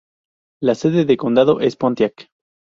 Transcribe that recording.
La sede de condado es Pontiac.